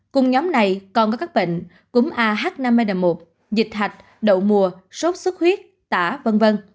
cùng nhóm này còn có các bệnh cũng a h năm n một dịch hạch đậu mùa sốt xuất huyết tả v v